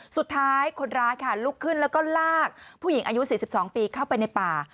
สุดท้ายคนร้ายค่ะลุกขึ้นแล้วก็ลากผู้หญิงอายุ๔๒ปีเข้าไปในป่า